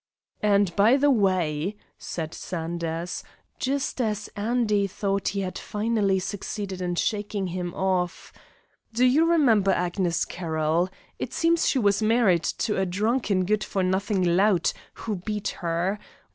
"And, by the way," said Sanders, just as Andy thought he had finally succeeded in shaking him off, "do you remember Agnes Carroll? It seems she was married to a drunken, good for nothing lout, who beat her.